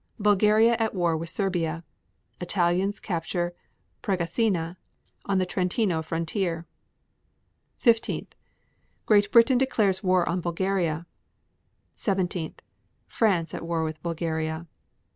Bulgaria at war with Serbia. 14. Italians capture Pregasina, on the Trentino frontier. 15. Great Britain declares war on Bulgaria. 17. France at war with Bulgaria.